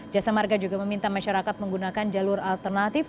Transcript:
jasa marga juga meminta masyarakat menggunakan jalur alternatif